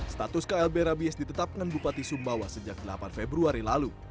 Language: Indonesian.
status klb rabies ditetapkan bupati sumbawa sejak delapan februari lalu